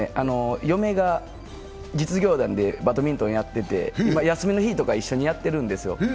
ヨメが実業団でバドミントンやってて休みの日とか一緒にやってるんですよ。